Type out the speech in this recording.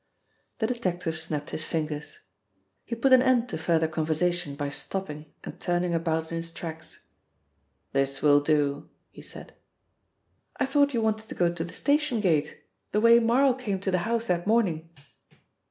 The detective snapped his fingers. He put an end to further conversation by stopping and turning about in his tracks. "This will do," he said. "I thought you wanted to go to the station gate the way Marl came to the house that morning?"